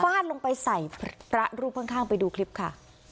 ลงไปใส่พระรูปข้างไปดูคลิปค่ะ